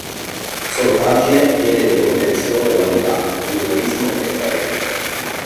Sono pagine piene di comprensione e umanità, di umorismo e calore.